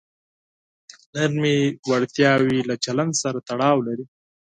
نرمې وړتیاوې له چلند سره تړاو لري.